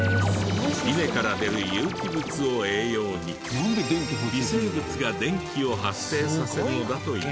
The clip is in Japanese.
稲から出る有機物を栄養に微生物が電気を発生させるのだという。